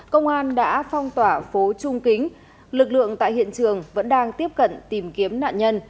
công an đã phong tỏa phố trung kính lực lượng tại hiện trường vẫn đang tiếp cận tìm kiếm nạn nhân